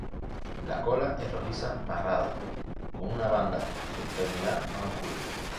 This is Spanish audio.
La cola es rojiza barrada con una banda subterminal más oscura.